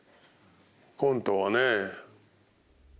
コントはね。